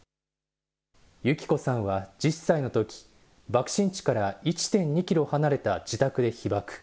幸子さんは１０歳のとき、爆心地から１．２キロ離れた自宅で被爆。